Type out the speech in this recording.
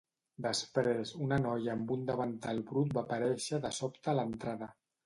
Després, una noia amb un davantal brut va aparèixer de sobte a l'entrada.